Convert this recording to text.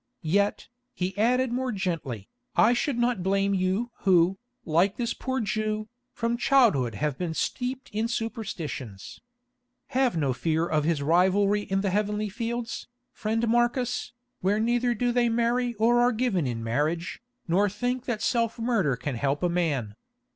Yet," he added more gently, "I should not blame you who, like this poor Jew, from childhood have been steeped in superstitions. Have no fear of his rivalry in the heavenly fields, friend Marcus, where neither do they marry or are given in marriage, nor think that self murder can help a man.